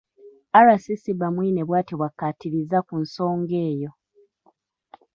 RCC Bamwine bw’atyo bw’akkaatirizza ku nsonga eyo.